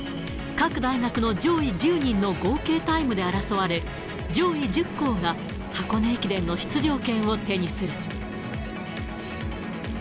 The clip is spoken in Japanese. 各大学の上位１０人の合計タイムで争われ、上位１０校が箱根駅伝の出場権を手にする。